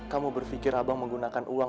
kamu berpikir abang menggunakan uang